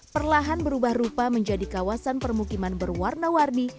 perlahan berubah rupa menjadi kawasan permukiman berwarna warni